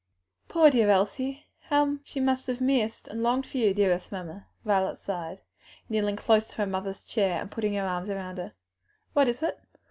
"Poor dear Elsie! how she must have missed and longed for you, dearest mamma!" Violet sighed, kneeling close to her mother's chair and putting her arms around her. "What is it?